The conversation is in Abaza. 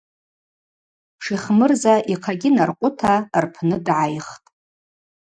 Шихмырза йхъагьи наркъвыта рпны дгӏайхтӏ.